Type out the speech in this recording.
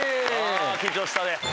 あ緊張したね。